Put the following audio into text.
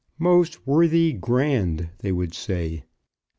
"Most Worthy Grand," they would say.